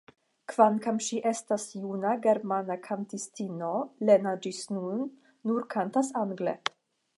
Kvankam ŝi estas juna germana kantistino Lena ĝis nun nur kantas angle.